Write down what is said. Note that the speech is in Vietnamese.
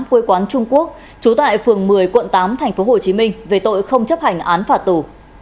quê quán trung quốc trú tại phường một mươi quận tám tp hcm về tội không chấp hành án phạt tù